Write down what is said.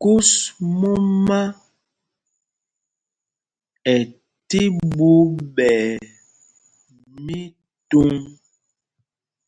Kus mumá ɛ tí ɓuu ɓɛɛ mítuŋ.